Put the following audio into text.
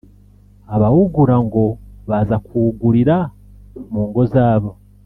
Abawugura ngo baza kuwugurira mu ngo zabo